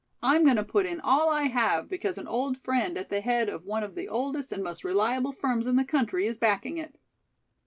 "I'm going to put in all I have because an old friend at the head of one of the oldest and most reliable firms in the country is backing it."